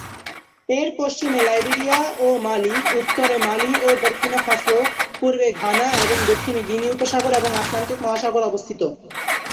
এর পশ্চিমে লাইবেরিয়া ও মালি, উত্তরে মালি ও বুর্কিনা ফাসো, পূর্বে ঘানা, এবং দক্ষিণে গিনি উপসাগর এবং আটলান্টিক মহাসাগর অবস্থিত।